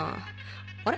あれ？